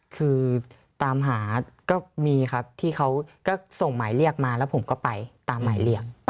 คือตามหาก็มีครับที่เขาก็ส่งหมายเรียกมาแล้วผมก็ไปตามหมายเรียก